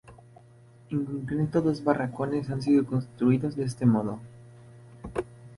En concreto, dos barracones han sido construidos de este modo.